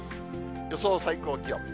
予想最高気温。